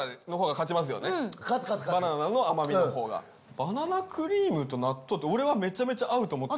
勝つ勝つ勝つバナナの甘みの方がバナナクリームと納豆って俺はめちゃめちゃ合うと思ってんです